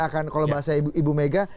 kalau bahasa ibu mega